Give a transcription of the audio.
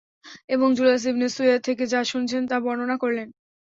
এবং Julas ibn Suwaid থেকে যা শুনেছেন তা বর্ণনা করলেন।